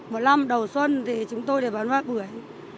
một năm đầu xuân thì chúng tôi để bán hoa bưởi